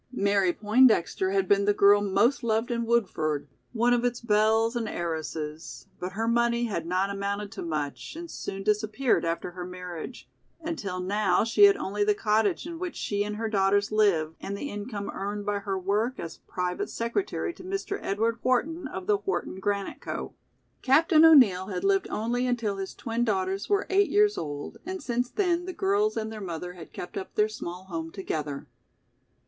Mary Poindexter had been the girl most loved in Woodford, one of its belles and heiresses, but her money had not amounted to much and soon disappeared after her marriage, until now she had only the cottage in which she and her daughters lived and the income earned by her work as private secretary to Mr. Edward Wharton of "The Wharton Granite Co." Captain O'Neill had lived only until his twin daughters were eight years old and since then the girls and their mother had kept up their small home together.